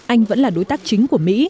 anh vẫn là đối tác chính của mỹ